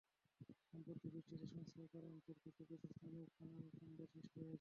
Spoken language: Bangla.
সম্প্রতি বৃষ্টিতে সংস্কার করা অংশের কিছু কিছু স্থানেও খানাখন্দের সৃষ্টি হয়েছে।